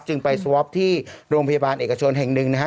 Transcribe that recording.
จึงไปสวอปที่โรงพยาบาลเอกชนแห่งหนึ่งนะฮะ